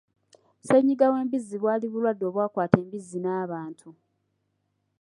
Ssennyinga w'embizzi bwali bulwadde obwakata embizzi n'abantu.